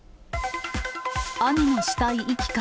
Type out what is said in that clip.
兄の死体遺棄か。